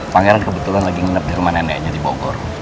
pangeran kebetulan lagi nginep di rumah neneknya di bogor